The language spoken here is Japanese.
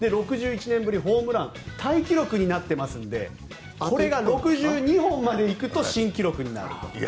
６１年ぶりホームランタイ記録になっていますのでこれが６２本までいくと新記録になると。